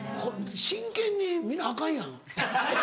真剣に見なアカンやん。